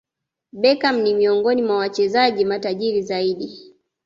Beckham ni miongoni mwa wachezaji matajiri zaidi